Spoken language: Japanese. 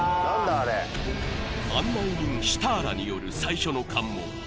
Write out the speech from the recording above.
あれ案内人シターラによる最初の関門